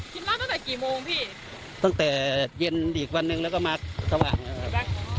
กินร้านตั้งแต่กี่โมงพี่ตั้งแต่เย็นอีกวันหนึ่งแล้วก็มาสว่างนะครับ